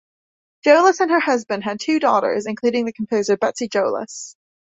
Jolas and her husband had two daughters including the composer Betsy Jolas.